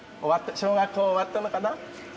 小学校終わったのかな。